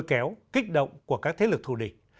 lôi kéo kích động của các thế lực thù địch